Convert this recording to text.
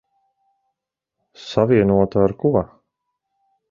Savienota ar ko?